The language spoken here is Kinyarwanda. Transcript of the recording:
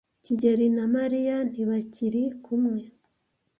kigeli na Mariya ntibakiri kumwe.